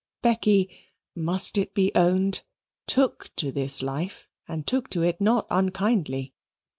Becky must it be owned? took to this life, and took to it not unkindly.